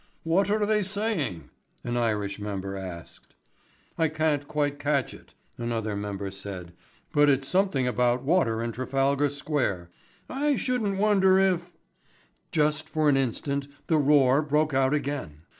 "What are they saying?" an Irish member asked. "I can't quite catch it," another member said, "but it's something about water in Trafalgar Square. I shouldn't wonder if " Just for an instant the roar broke out again.